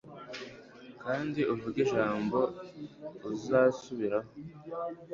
kandi uvuge ijambo uzasubiraho